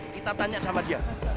kita tanya sama dia